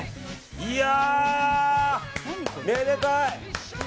いやー、めでたい！